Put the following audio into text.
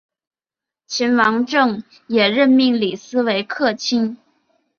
秦王政也任命李斯为客卿。